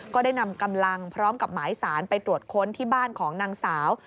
ก็ได้นำกำลังพร้อมกับหมายสารไปตรวจค้นที่บ้านของนางสาว